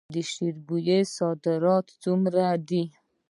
د شیرین بویې صادرات څومره دي؟